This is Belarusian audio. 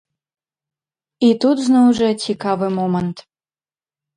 І тут, зноў жа, цікавы момант.